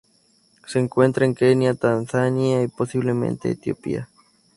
Se encuentra en Kenia, Tanzania, y, posiblemente, Etiopía.